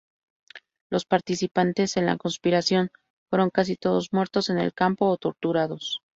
Los participantes en la conspiración fueron casi todos muertos en el campo o torturados.